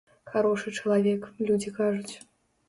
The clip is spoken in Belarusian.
Харошы чалавек, людзі кажуць.